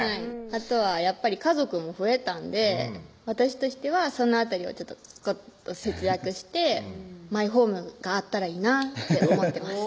あとはやっぱり家族も増えたんで私としてはその辺りをぐっと節約してマイホームがあったらいいなって思ってます